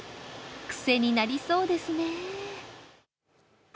クセになりそうですね。